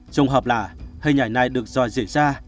trong hợp là hình ảnh này được dò dỉ ra